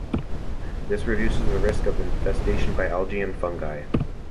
This reduces the risk of infestation by algae and fungi.